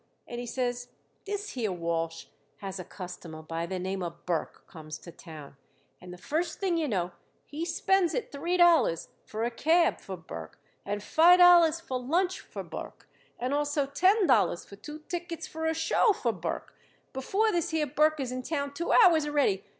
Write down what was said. And he says, this here Walsh has a customer by the name of Burke come to town, and the first thing you know, he spends it three dollars for a cab for Burke, and five dollars for lunch for Burke, and also ten dollars for two tickets for a show for Burke, before this here Burke is in town two hours already.